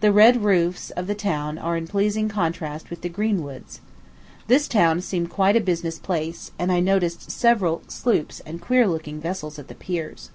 The red roofs of the town are in pleasing contrast with the green woods. This town seemed quite a business place; and I noticed several sloops and queer looking vessels at the piers.